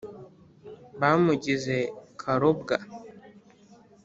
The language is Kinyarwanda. «bamugize karobwa!»